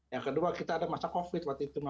yang kedua kita ada masa covid waktu itu